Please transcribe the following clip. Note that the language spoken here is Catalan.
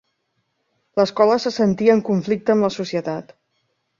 L'escola se sentia en conflicte amb la societat.